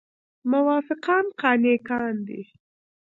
موافقان قانع کاندي.